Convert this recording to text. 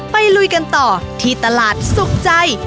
ลุยกันต่อที่ตลาดสุขใจ